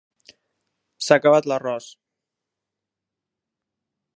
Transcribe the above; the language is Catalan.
S'ha acabat l'arròs.